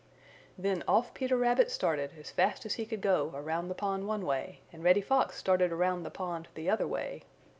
Then off Peter Rabbit started as fast as he could go around the pond one way, and Reddy Fox started around the pond the other way.